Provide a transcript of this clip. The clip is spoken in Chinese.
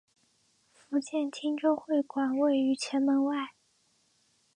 福建汀州会馆位于前门外。